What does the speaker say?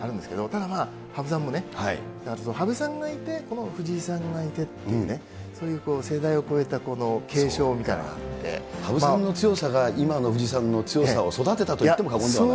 ただ、まあ、羽生さんもね、羽生さんがいて、この藤井さんがいてっていうね、そういう世代を超えた、羽生さんの強さが、今の藤井さんの強さを育てたといっても過言ではない？